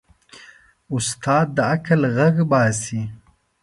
استاد د عقل غږ باسي.